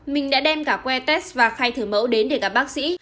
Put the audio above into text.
mình đã đem cả que test và khai thử mẫu đến để gặp bác sĩ